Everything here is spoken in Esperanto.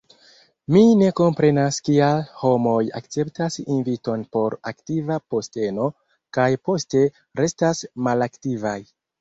Mi ne komprenas, kial homoj akceptas inviton por aktiva posteno kaj poste restas malaktivaj.